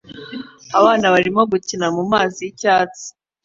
Abana barimo gukina mumazi yicyatsi